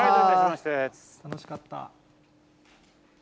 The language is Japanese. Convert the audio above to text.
楽しかった。